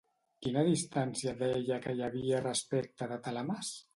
Quina distància deia que hi havia respecte de Talames?